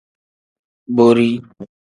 Borii.